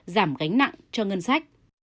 giảm gánh nặng cho ngân sách